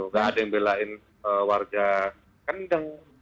nggak ada yang belain warga kendeng